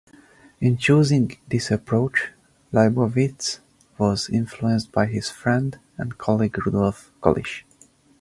In choosing this approach, Leibowitz was influenced by his friend and colleague Rudolf Kolisch.